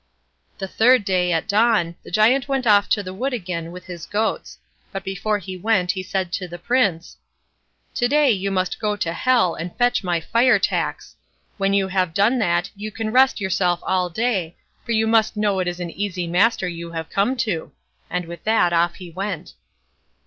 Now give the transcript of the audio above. The third day, at dawn, the Giant went off to the wood again with his goats; but before he went he said to the Prince: "To day you must go to Hell and fetch my fire tax. When you have done that you can rest yourself all day, for you must know it is an easy master you have come to"; and with that off he went.